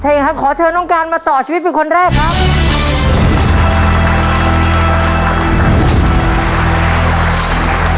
เพลงครับขอเชิญน้องการมาต่อชีวิตเป็นคนแรกครับ